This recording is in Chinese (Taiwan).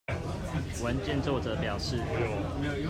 文件作者表示